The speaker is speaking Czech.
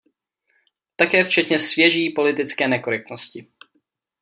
A také včetně svěží politické nekorektnosti.